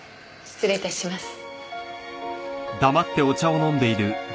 失礼致します。